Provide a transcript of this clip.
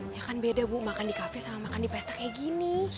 ya kan beda bu makan di kafe sama makan di pesta kayak gini